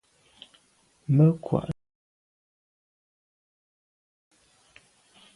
Me kwa’ neta.